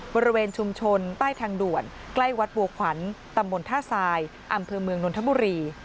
บริเวณชุมชนใต้ทางด่วนใกล้วัดบัวขวัญตำบลท่าทรายอำเภอเมืองนนทบุรี